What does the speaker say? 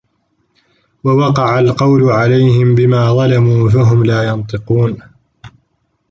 وَوَقَعَ القَولُ عَلَيهِم بِما ظَلَموا فَهُم لا يَنطِقونَ